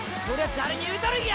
誰に言うとるんや？